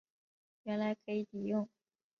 原来可以抵用